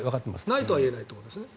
ないとは言えないということですね。